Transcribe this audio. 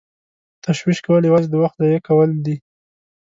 تشویش کول یوازې د وخت ضایع کول دي.